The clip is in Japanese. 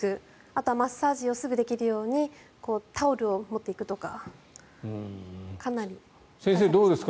あとはマッサージをすぐにできるようにタオルを持っていくとかかなりしています。